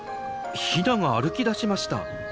ヒナが歩きだしました。